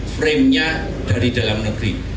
frame nya dari dalam negeri